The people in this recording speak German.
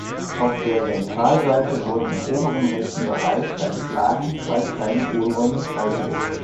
Auf der Ventralseite wurden im oberen rechten Bereich beim Schlagen zwei kleine Hohlräume freigelegt.